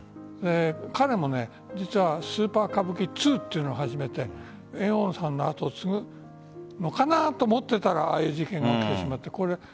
彼も実はスーパー歌舞伎２というのを始めて猿翁さんの跡を継ぐのかなと思っていたらああいう事件が起きてしまって。